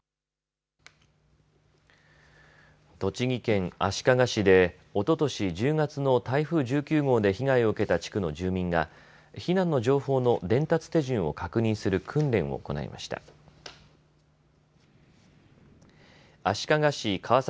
栃木県足利市でおととし１０月の台風１９号で被害を受けた地区の住民が避難の情報の伝達手順を確認する訓練を行いました。